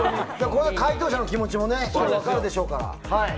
解答者の気持ちも分かるでしょうから。